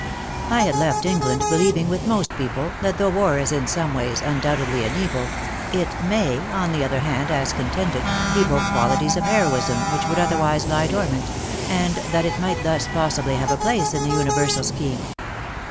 I had left England believing with most people that though war is in some ways un doubtedly an evil, it 7nay, on the other hand, as contended, ''evoke qualities of heroism which would otherwise lie dormant," and that WAR AND WOMEN 21 It might thus possibly have a place in the universal scheme.